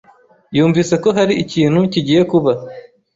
yumvise ko hari ikintu kigiye kuba.